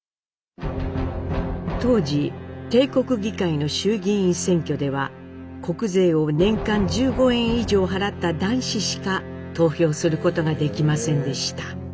当時帝国議会の衆議院選挙では国税を年間１５円以上払った男子しか投票することができませんでした。